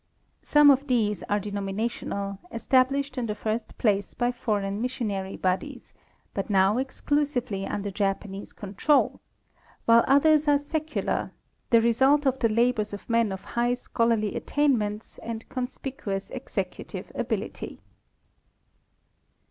Some of these are denominational, established in the first place by foreign missionary bodies, but now exclusively under Jap anese control, white others are secular, the result of the labors of men of high scholarly attainments and conspicuous executive ability.